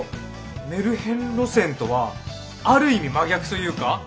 メルヘン路線とはある意味真逆というか。